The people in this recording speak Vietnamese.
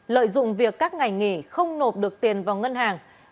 lợi dụng việc các ngày nghỉ không nộp được tiền vào ngân hàng